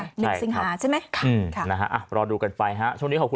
นิกซิงหาใช่ไหมรอดูกันไปช่วงนี้ขอบคุณทุกคนนะครับ